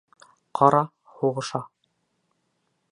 Ҡара, һуғыша!